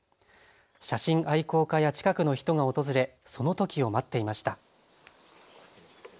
写真愛好家や近くの人が訪れそのときを待っていました。